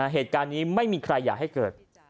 เหตุการณ์นี้ไม่มีใครอยากให้เกิด